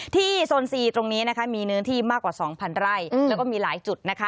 โซนซีตรงนี้นะคะมีเนื้อที่มากกว่า๒๐๐ไร่แล้วก็มีหลายจุดนะคะ